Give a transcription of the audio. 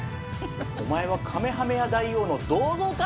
おまえはカメハメハ大王の銅像か！